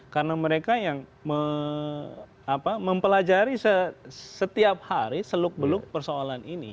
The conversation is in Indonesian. karena mereka yang mempelajari setiap hari seluk beluk persoalan ini